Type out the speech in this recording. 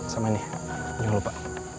sama ini jangan lupa